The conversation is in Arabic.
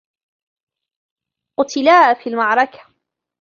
قُتلا في المعركة.